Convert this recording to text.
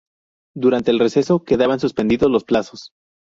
Durante el receso quedaban suspendidos los plazos.